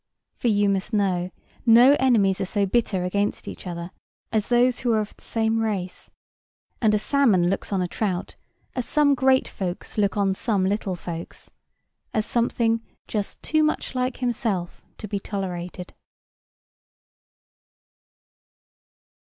For you must know, no enemies are so bitter against each other as those who are of the same race; and a salmon looks on a trout, as some great folks look on some little folks, as something just too much like himself to be tolerated.